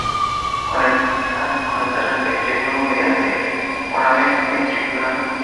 Conectan con el tercer ventrículo mediante el foramen ventricular.